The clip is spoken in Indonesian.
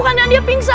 kanan dia pingsan